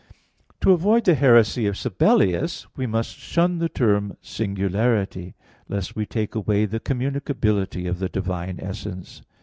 To avoid the heresy of Sabellius, we must shun the term "singularity," lest we take away the communicability of the divine essence.